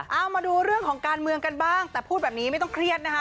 เอามาดูเรื่องของการเมืองกันบ้างแต่พูดแบบนี้ไม่ต้องเครียดนะคะ